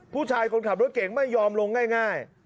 ผู้ชายคนขับรถเก่งไม่ยอมลงง่าย